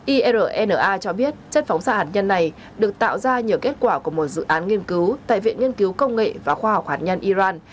irna cho biết chất phóng xạ hạt nhân này được tạo ra nhờ kết quả của một dự án nghiên cứu tại viện nghiên cứu công nghệ và khoa học hạt nhân iran